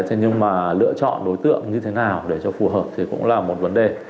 thế nhưng mà lựa chọn đối tượng như thế nào để cho phù hợp thì cũng là một vấn đề